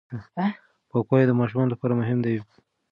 پاکوالی د ماشومانو لپاره مهم دی.